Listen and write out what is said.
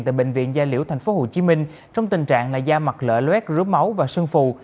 tại bệnh viện gia liễu tp hcm trong tình trạng là da mặt lỡ luét rốt máu và sơn phù